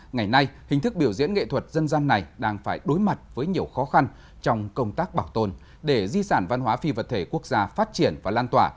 ngày nay hình thức biểu diễn nghệ thuật dân gian này đang phải đối mặt với nhiều khó khăn trong công tác bảo tồn để di sản văn hóa phi vật thể quốc gia phát triển và lan tỏa